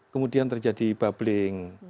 kemudian terjadi bubbling